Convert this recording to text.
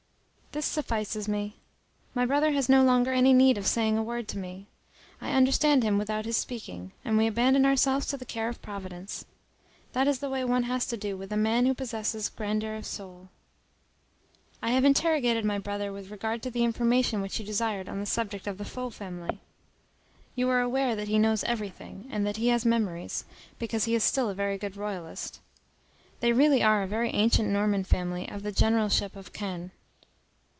This suffices me. My brother has no longer any need of saying a word to me. I understand him without his speaking, and we abandon ourselves to the care of Providence. That is the way one has to do with a man who possesses grandeur of soul. I have interrogated my brother with regard to the information which you desire on the subject of the Faux family. You are aware that he knows everything, and that he has memories, because he is still a very good royalist. They really are a very ancient Norman family of the generalship of Caen.